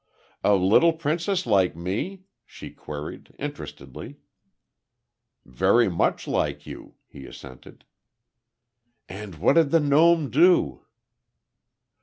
"A little princess like me?" she queried, interestedly. "Very much like you," he assented. "And what did the gnome do?"